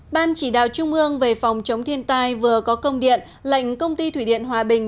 ban chỉ đạo trung ương về phòng chống thiên tai vừa có công điện lệnh công ty thủy điện hòa bình